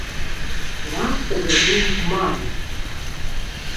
Нас увялі ў зман.